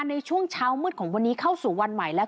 ในช่วงเช้ามืดของวันนี้เข้าสู่วันใหม่แล้ว